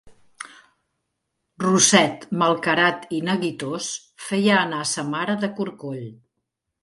Rosset, malcarat i neguitós, feia anar sa mare de corcoll.